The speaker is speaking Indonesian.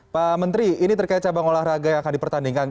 pak menteri ini terkait cabang olahraga yang akan dipertandingkan